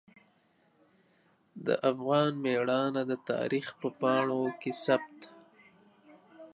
د افغان میړانه د تاریخ په پاڼو کې ثبت ده.